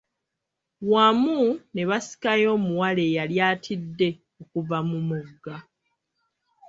Wamu ne basikayo omuwala eyali atidde okuva mu mugga.